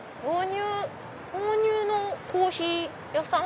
豆乳のコーヒー屋さん？